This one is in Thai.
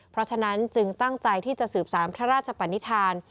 เพราะฉะนั้นจึงตั้งใจที่จะสืบสารพระราชปนิษฐาน